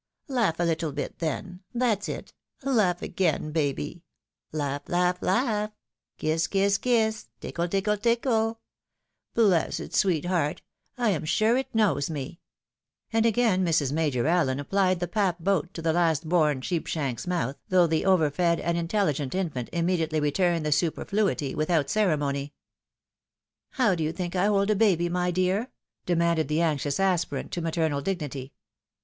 Laugh a little bit then — ^that's it — ^laugh again, baby — ^laugh, laugh, laugh, kiss, kiss, kiss, tickle, tickle, tickle. Bless its sweet heart ! I am sure it knows me !" And again Mrs. Major Allen applied the pap boat to the last born Sheepshanks's A 2 4 THE WIDOW MARRIED. mouth, though the over fed and intelligent infant immediately returned the superfluity without ceremony. " How do you think I hold a baby, my dear ?" demanded the anxious aspirant to maternal dignity.